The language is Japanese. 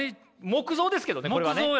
木像ですけどねこれはね。